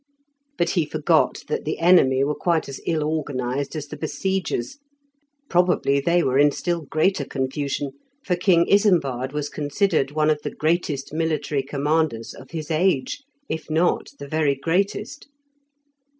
But he forgot that the enemy were quite as ill organized as the besiegers; probably they were in still greater confusion, for King Isembard was considered one of the greatest military commanders of his age, if not the very greatest.